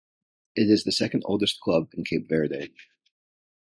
It is the second oldest club in Cape Verde.